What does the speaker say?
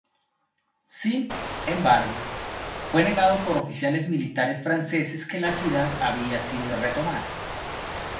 Sin embargo, fue negado por oficiales militares franceses que la ciudad había sido retomada.